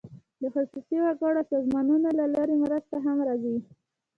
د خصوصي وګړو او سازمانونو له لوري مرستې هم راځي.